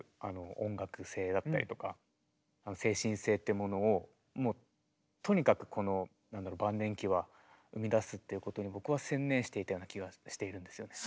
いうものをもうとにかくこの晩年期は生み出すっていうことに僕は専念していたような気がしているんですよね。